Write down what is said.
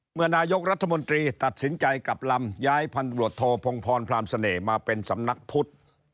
เมื่อนายกรัฐมนตรีตัดสินใจกลับลำย้ายพันธบรวจโทพงพรพรามเสน่ห์มาเป็นสำนักพุทธ